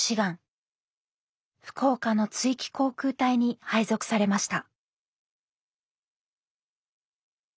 福岡の築城航空隊に配属されました。